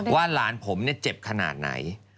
ว่าหลานผมเนี่ยเจ็บขนาดไหน